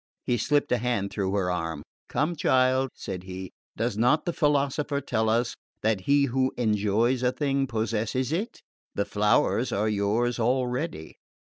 He slipped a hand through her arm. "Come, child," said he, "does not the philosopher tell us that he who enjoys a thing possesses it? The flowers are yours already!"